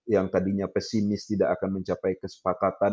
yang tadinya pesimis tidak akan mencapai kesepakatan